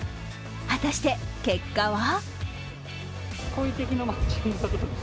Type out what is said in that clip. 果たして結果は？